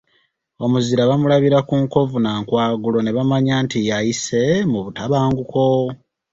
Omuzira bamulabira ku nkovu na nkwagulo ne bamanya nti ayise mu butabanguko.